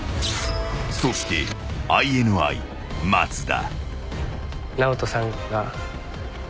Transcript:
［そしてＩＮＩ松田］